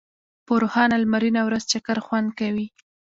په روښانه لمرینه ورځ چکر خوند کوي.